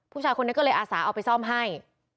ผู้ชายคนนี้ก็เลยอาสาเอาไปซ่อมให้